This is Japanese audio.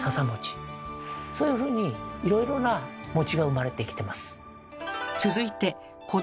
そういうふうにいろいろなが生まれてきてます。